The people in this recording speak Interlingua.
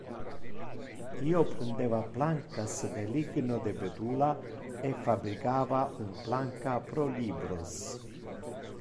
Io prendeva plancas de ligno de betula e fabricava un planca pro libros.